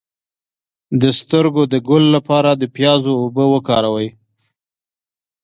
د سترګو د ګل لپاره د پیاز اوبه وکاروئ